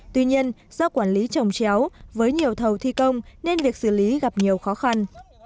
tuy nhiên do quản lý trồng chéo với nhiều thầu thi công nên việc xử lý gặp nhiều khó khăn